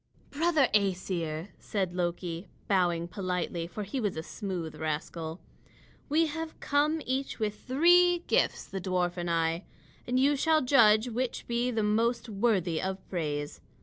"Brother Æsir," said Loki, bowing politely, for he was a smooth rascal, "we have come each with three gifts, the dwarf and I; and you shall judge which be the most worthy of praise.